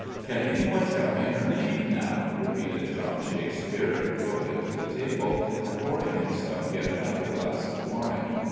"Can any one tell me her name, now?" repeated John Shakespeare, rolling to the table and pouring himself yet another glass of wine.